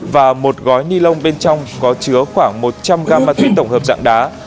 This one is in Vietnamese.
và một gói ni lông bên trong có chứa khoảng một trăm linh g ma túy tổng hợp dạng đá